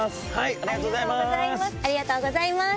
ありがとうございます。